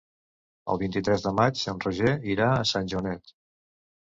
El vint-i-tres de maig en Roger irà a Sant Joanet.